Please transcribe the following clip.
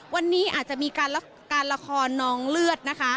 วันนี้อาจจะมีการละครนองเลือดนะคะ